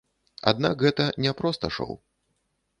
Аднак гэта не проста шоу.